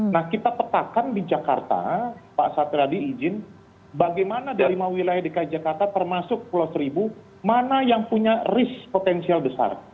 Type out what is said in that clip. nah kita petakan di jakarta pak satriadi izin bagaimana dari lima wilayah dki jakarta termasuk pulau seribu mana yang punya risk potensial besar